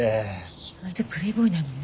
意外とプレイボーイなのね。